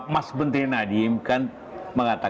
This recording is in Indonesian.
mas menteri nadiem kan mengatakan